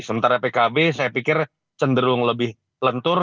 sementara pkb saya pikir cenderung lebih lentur